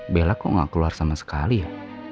bella kok gak keluar sama sekali ya